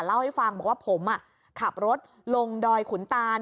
เล่าให้ฟังบอกว่าผมขับรถลงดอยขุนตาน